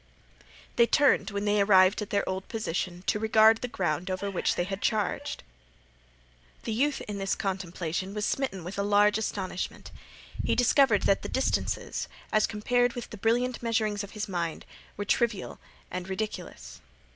They turned when they arrived at their old position to regard the ground over which they had charged. The youth in this contemplation was smitten with a large astonishment. He discovered that the distances, as compared with the brilliant measurings of his mind, were trivial and ridiculous.